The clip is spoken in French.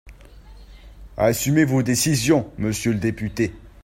Assumez vos décisions, monsieur le député.